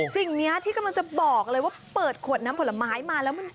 สิ่งนี้ที่กำลังจะบอกเลยว่าเปิดขวดน้ำผลไม้มาแล้วมัน